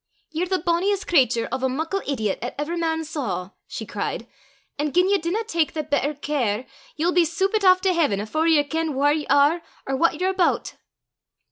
"Ye're the bonniest cratur o' a muckle idiot 'at ever man saw!" she cried; "an' gien ye dinna tak the better care, ye'll be soopit aff to haiven afore ye ken whaur ye are or what ye're aboot."